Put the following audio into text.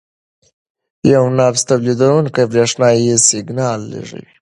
یو نبض تولیدوونکی برېښنايي سیګنال لېږي.